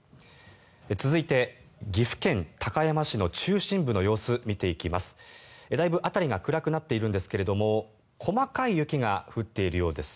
続いて、岐阜県高山市の中心部の様子を見ていきます。